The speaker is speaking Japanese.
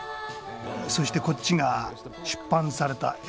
そしてこっちが出版された絵本。